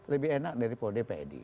lebih enak dari pro depa ed